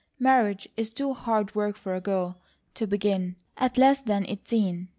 Marriage is too hard work for a girl to begin at less than eighteen.